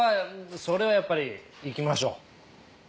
それはやっぱり行きましょう。